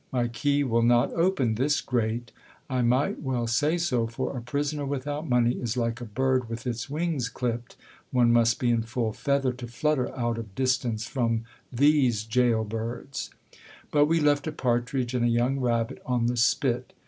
My key will not open this grate ! I might well say so, for a prisoner without money is like a bird with its wings dipt ; one must be in full feather to flutter out of distance from these gaol birds. But we left a partridge and a young rabbit on the spit